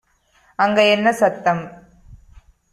அங்க என்ன சத்தம்